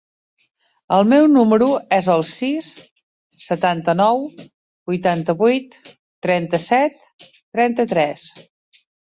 El meu número es el sis, setanta-nou, vuitanta-vuit, trenta-set, trenta-tres.